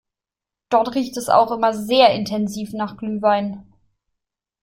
Dort riecht es auch immer sehr intensiv nach Glühwein.